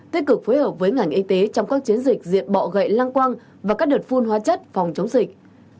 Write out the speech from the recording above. năm tích cực phối hợp với ngành y tế trong các chiến dịch diệt bọ gậy lang quang và các đợt phun hoa chất phòng chống dịch